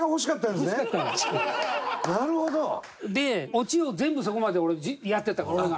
オチを全部そこまで俺やってた俺が。